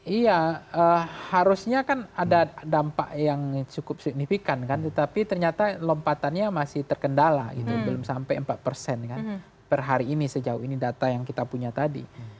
iya harusnya kan ada dampak yang cukup signifikan kan tetapi ternyata lompatannya masih terkendala itu belum sampai empat persen kan per hari ini sejauh ini data yang kita punya tadi